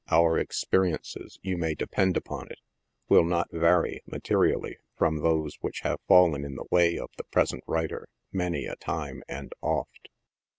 Our experiences, you may depend upon it, will not vary, materially, from those which have fallen in the way of the present writer, many a time and oft.